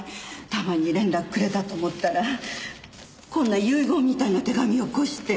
たまに連絡くれたと思ったらこんな遺言みたいな手紙よこして。